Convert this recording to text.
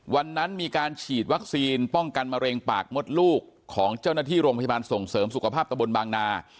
วันนั้นมีการฉีดวัคซีนป้องกันมะเร็งปากมดลูกของเจ้าหน้าที่โรงพยาบาลส่งเสริมสุขภาพตะบนบางนา